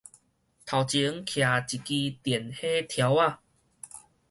頭前徛一枝電火柱仔